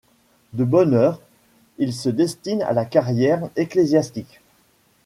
De bonne heure, il se destine à la carrière ecclésiastique.